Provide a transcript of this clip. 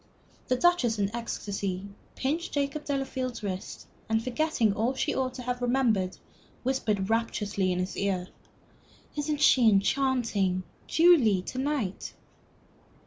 The Duchess in ecstasy pinched Jacob Delafield's wrist, and forgetting all that she ought to have remembered, whispered, rapturously, in his ear, "Isn't she enchanting Julie to night?"